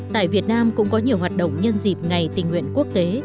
tại việt nam cũng có nhiều hoạt động nhân dịp ngày tình nguyện quốc tế